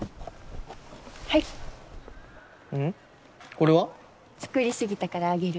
これは？作り過ぎたからあげる。